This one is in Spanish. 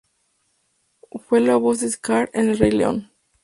Fue la voz de Scar en "El rey león".